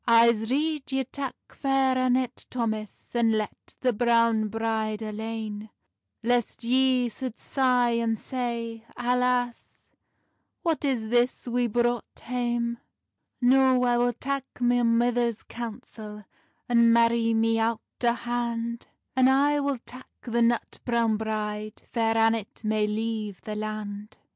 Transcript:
"I'se rede ye tak Fair Annet, Thomas, And let the browne bride alane; Lest ye sould sigh, and say, Alace, What is this we brought hame!" "No, I will tak my mither's counsel, And marrie me owt o hand; And I will tak the nut browne bride, Fair Annet may leive the land."